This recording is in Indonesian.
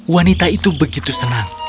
wanita itu begitu senang